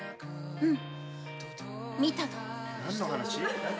うん。